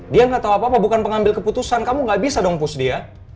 dia yang gak tau apa apa bukan pengambil keputusan kamu gak bisa dong push dia